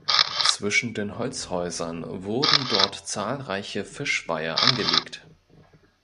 Zwischen den Holzhäusern wurden dort zahlreiche Fischweiher angelegt.